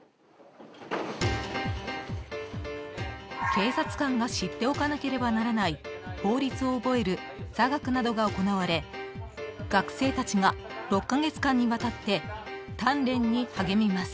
［警察官が知っておかなければならない法律を覚える座学などが行われ学生たちが６カ月間にわたって鍛錬に励みます］